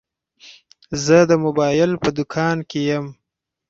زه د موبایل په دوکان کي یم.